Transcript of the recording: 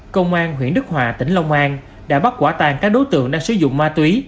công an huyện đức hòa tỉnh long an đã bắt quả tàn các đối tượng đang sử dụng ma túy